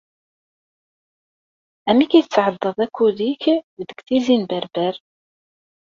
Amek i tesɛeddaḍ akud-ik deg Tizi n Berber?